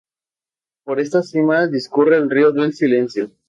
Por esta sima discurre el río del Silencio.